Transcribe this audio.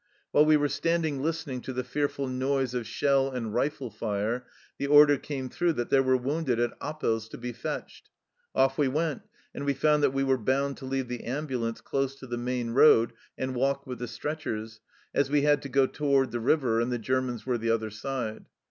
While we were standing listening to the fearful noise of shell and rifle fire, the order came through that there were wounded at Appels to be fetched. Off we went, and we found that we were bound to leave the ambulance close to the main road and walk with the stretchers, as we had to go toward the river, and the Germans were the other side.